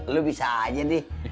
lo bisa aja deh